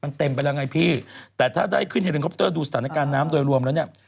มันเต็มไปแล้วไงพี่แต่ถ้าได้ขึ้นเฮลิคอปเตอร์ดูสถานการณ์น้ำโดยรวมแล้วเนี่ย